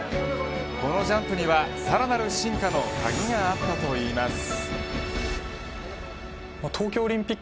このジャンプにはさらなる進化の鍵があったといいます。